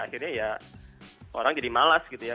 akhirnya ya orang jadi malas gitu ya